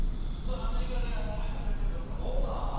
アメリカで応援してくれているので、奥さんも。